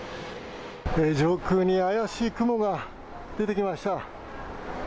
上空に怪しい雲が出てきました。